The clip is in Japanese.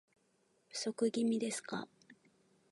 不足気味ですか